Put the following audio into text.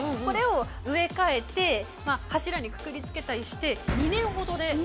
これを植え替えて柱にくくり付けたりして２年ほどで。